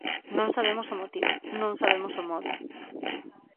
Non sabemos o motivo, non sabemos o móbil.